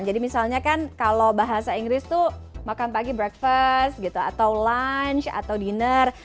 jadi misalnya kan kalau bahasa inggris itu makan pagi breakfast gitu atau lunch atau dinner